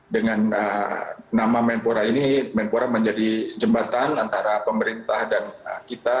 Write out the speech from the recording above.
dengan nama menpora ini menpora menjadi jembatan antara pemerintah dan kita